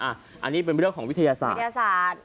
อันนี้เป็นเรื่องของวิทยาศาสตร์